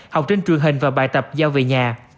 học trên truyền hình và bài tập giao về nhà